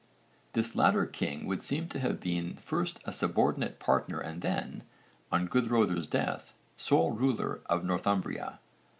This latter king would seem to have been first a subordinate partner and then, on Guðröðr's death, sole ruler of Northumbria.